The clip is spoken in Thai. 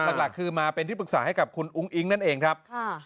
หลักคือมาเป็นที่ปรึกษาให้กับคุณอุ้งอิ๊งนั่นเองครับ